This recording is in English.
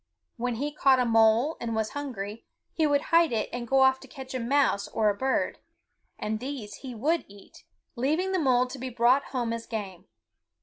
When he caught a mole and was hungry, he would hide it and go off to catch a mouse or a bird; and these he would eat, leaving the mole to be brought home as game.